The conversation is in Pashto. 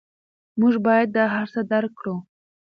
موږ باید دا هر څه درک کړو.